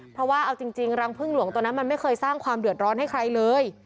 เพราะว่าเอาจริงรังพึ่งหลวงตัวนั้นมันไม่เคยสร้างความเดือดร้อนให้ใครเลย